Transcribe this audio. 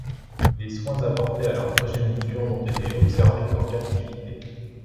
Les soins apportés à leur progéniture n'ont été observés qu'en captivité.